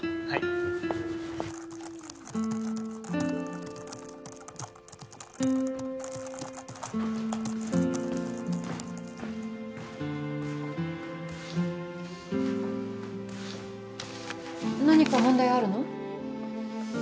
はい何か問題あるの？